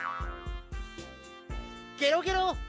ゲロゲロ。